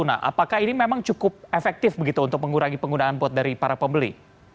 nah apakah ini memang cukup efektif begitu untuk mengurangi penggunaan bot dari para pembeli